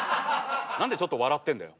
何でちょっと笑ってんだよ。